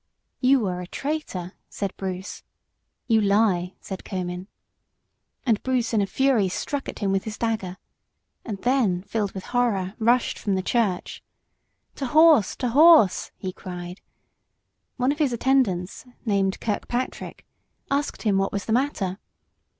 "You are a traitor," said Bruce. "You lie," said Comyn. And Bruce in a fury struck at him with his dagger, and then, filled with horror, rushed from the church. "To horse, to horse," he cried. One of his attendants, named Kirkpatrick, asked him what was the matter.